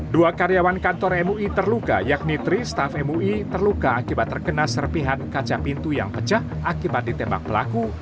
dua karyawan kantor mui terluka yakni tri staff mui terluka akibat terkena serpihan kaca pintu yang pecah akibat ditembak pelaku